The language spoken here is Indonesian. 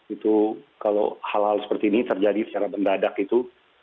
itu kalau hal hal seperti ini terjadi secara mendadak itu